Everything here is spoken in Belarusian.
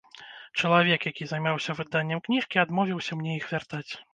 Чалавек, які займаўся выданнем кніжкі, адмовіўся мне іх вяртаць.